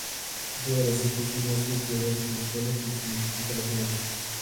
Es una de las especies más cultivadas de California que se multiplica rápidamente.